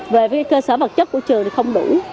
về cơ sở vật chất của trường thì không đủ